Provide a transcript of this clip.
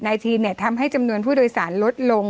ทีนทำให้จำนวนผู้โดยสารลดลง